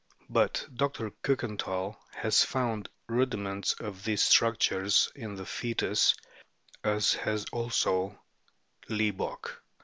But Dr. Kiikenthal has found rudiments of these structures in the foetus, as has also Leboucq.